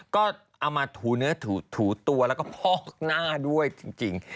ก็เอามาถูเนื้อถูตัวแล้วก็พอกหน้าด้วยจริง